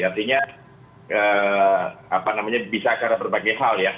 artinya bisa karena berbagai hal ya